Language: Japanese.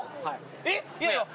えっ？いやいや。